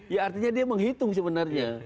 ya artinya dia menghitung sebenarnya